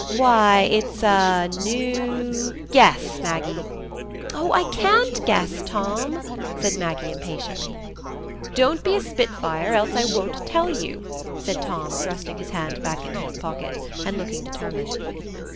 "Why, it's—a—new—guess, Maggie!" "Oh, I can't guess, Tom," said Maggie, impatiently. "Don't be a spitfire, else I won't tell you," said Tom, thrusting his hand back into his pocket and looking determined.